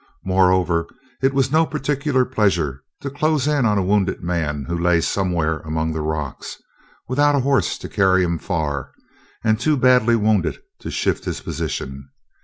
Moreover, it was no particular pleasure to close in on a wounded man who lay somewhere among the rocks, without a horse to carry him far, and too badly wounded to shift his position.